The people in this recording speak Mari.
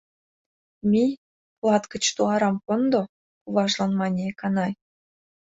— Мий, клат гыч туарам кондо, — куважлан мане Эканай.